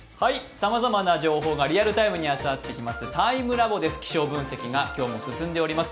さまざまな情報がリアルタイムに集まってきますＴＩＭＥＬＡＢＯです。